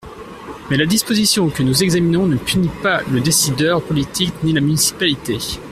Mais la disposition que nous examinons ne punit pas le décideur politique ni la municipalité.